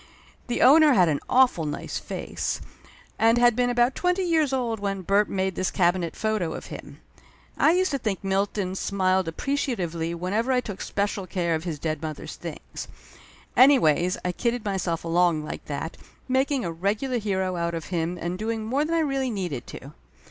The owner had an awful nice face, and had been about twenty years old when Bert made this cabinet photo of him. I used to think Milton smiled appreciatively whenever I took especial care of his dead mother's things. Anyways I kidded myself along like that, making a regular hero out of him and doing more than I really needed to.